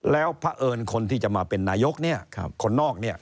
แล้วพระเอิญคนที่จะมาเป็นนายกคนนอกเนี่ย